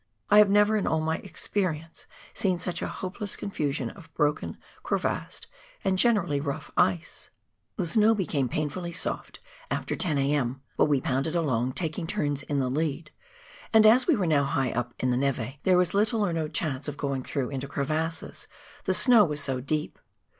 I have never in all my experience seen such a hopeless confusion of broken, crevassed, and generally rough ice. The snow became painfully soft after 10 a.m., but we pounded along — taking turns in the lead — and as we were now high up in the nev^, there was little or no chance of going through into crevasses, the snow was so deep.